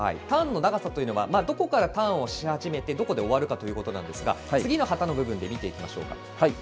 ターンの長さというのはどこからターンをし始めてどこで終わるかということですが次の旗の部分で見ていきましょう。